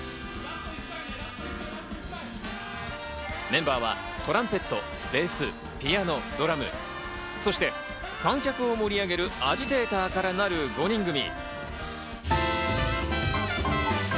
メンバーはトランペット、ベース、ピアノ、ドラム、そして、観客を盛り上げるアジテーターからなる５人組。